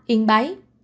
ba yên bái